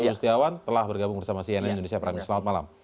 mas wayu rustiawan telah bergabung bersama cnn indonesia prami selamat malam